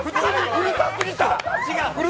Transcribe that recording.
うるさすぎた。